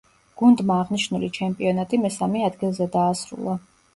გუნდმა აღნიშნული ჩემპიონატი მესამე ადგილზე დაასრულა.